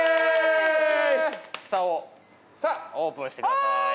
蓋をオープンしてくださいさあ！